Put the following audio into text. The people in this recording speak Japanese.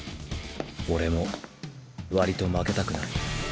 俺も割と負けたくない。